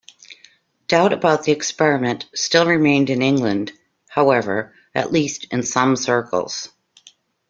Doubt about the experiment still remained in England, however, at least in some circles.